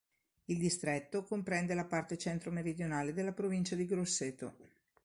Il distretto comprende la parte centro-meridionale della provincia di Grosseto.